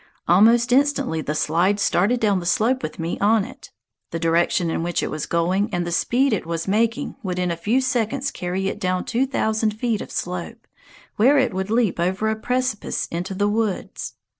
Almost instantly the slide started down the slope with me on it. The direction in which it was going and the speed it was making would in a few seconds carry it down two thousand feet of slope, where it would leap over a precipice into the woods.